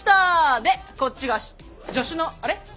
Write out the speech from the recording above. でこっちが助手のあれ？